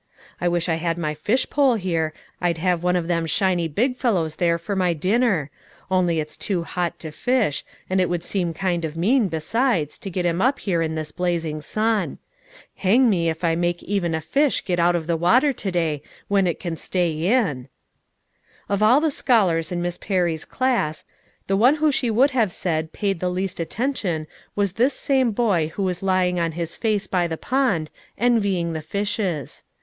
I wish I had my fish pole here, I'd have one of them shiny big fellows there for my dinner; only it's too hot to fish, and it would seem kind of mean, besides, to get him up here in this blazing sun. Hang me if I make even a fish get out of the water to day, when it can stay in!" Of all the scholars in Miss Perry's class, the one who she would have said paid the least attention was this same boy who was lying on his face by the pond, envying the fishes.